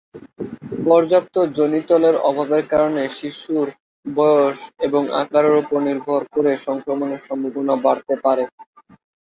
পর্যাপ্ত যোনি তরলের অভাবের কারণে, শিশুর বয়স এবং আকারের উপর নির্ভর করে সংক্রমণের সম্ভাবনা বাড়তে পারে।